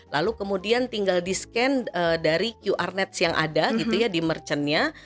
lalu kemudian tinggal di scan dari qr nets yang ada gitu ya di merchannya